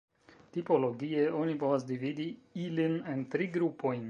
Tipologie oni povas dividi ilin en tri grupojn.